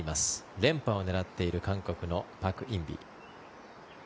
連覇を狙っている韓国のパク・インビ。